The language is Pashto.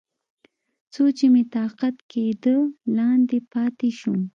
څو چې مې طاقت کېده، لاندې پاتې شوم.